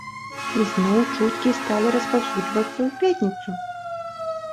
Ізноў чуткі сталі распаўсюджвацца ў пятніцу.